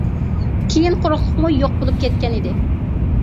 كېيىن قۇرۇقلۇقمۇ يوق بولۇپ كەتكەن ئىدى.